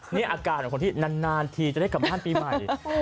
นี่อาการของคนที่นานทีจะได้กลับบ้านปีใหม่